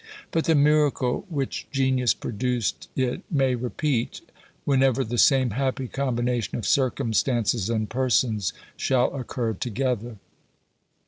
But the miracle which genius produced it may repeat, whenever the same happy combination of circumstances and persons shall occur together.